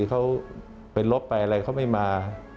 เขาเป็นลบไปอะไรเขาไม่มา